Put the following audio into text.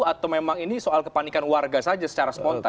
atau memang ini soal kepanikan warga saja secara spontan